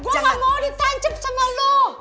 gue gak mau ditouch up sama lu